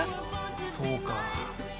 そうか。